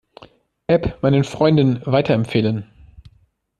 App meinen Freunden weiterempfehlen.